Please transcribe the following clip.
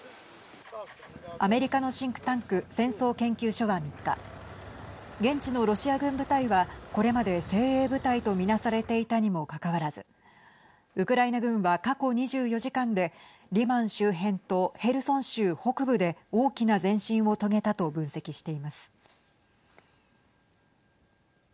アメリカのシンクタンク戦争研究所は３日現地のロシア軍部隊はこれまで精鋭部隊と見なされていたにもかかわらずウクライナ軍は、過去２４時間でリマン周辺とヘルソン州北部で大きな前進を遂げたと分析しています。